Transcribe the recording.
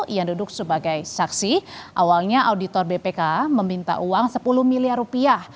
ia duduk sebagai saksi awalnya auditor bpk meminta uang sepuluh miliar rupiah